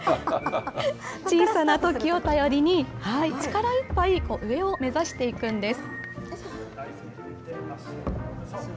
小さな突起を頼りに、力いっぱい上を目指していくんです。